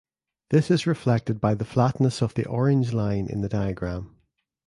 This is reflected by the flatness of the orange line in the diagram.